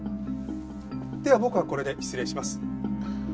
では僕はこれで失礼します。